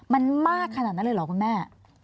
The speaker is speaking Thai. มันมากขนาดนั้นเลยเหรอคุณแม่